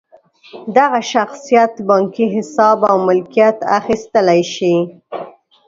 دغه شخصیت بانکي حساب او ملکیت اخیستلی شي.